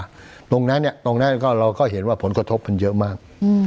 ตรงนั้นตรงนั้นเราก็เห็นว่าผลกระทบมันเยอะมาก